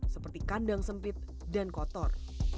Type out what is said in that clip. seperti kandang sempit dan kotor